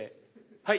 はい。